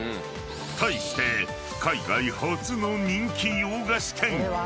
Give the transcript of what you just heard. ［対して海外発の人気洋菓子店］